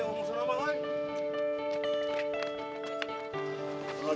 mau musnah apa ngai